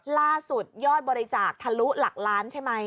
ล่าสุดยอดบริจาคทะลุหลักล้านใช่ไหม